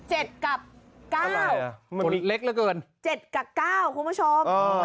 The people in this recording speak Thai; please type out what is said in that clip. เหมือนเลขเหลือเกิน๗กับ๙คุณผู้ชม